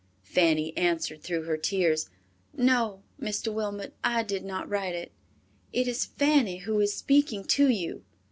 Fanny answered through her tears, "No, Mr. Wilmot, I did not write it. It is Fanny who is speaking to you."